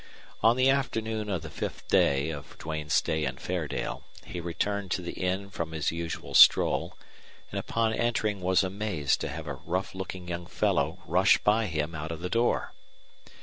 On the afternoon of the fifth day of Duane's stay in Fairdale he returned to the inn from his usual stroll, and upon entering was amazed to have a rough looking young fellow rush by him out of the door.